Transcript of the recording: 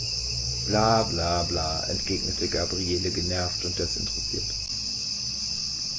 Bla bla bla, entgegnete Gabriele genervt und desinteressiert.